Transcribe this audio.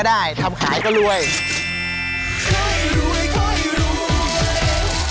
แล้วก็สองก็คือโรคขี้เปื่อยหางเปื่อยเหรอ